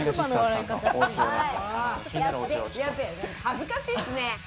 恥ずかしいっすね。